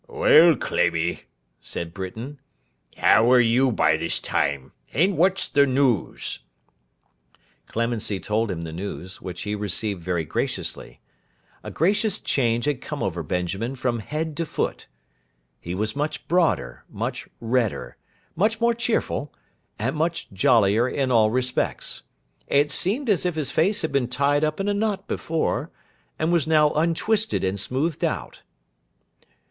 'Well, Clemmy,' said Britain, 'how are you by this time, and what's the news?' Clemency told him the news, which he received very graciously. A gracious change had come over Benjamin from head to foot. He was much broader, much redder, much more cheerful, and much jollier in all respects. It seemed as if his face had been tied up in a knot before, and was now untwisted and smoothed out.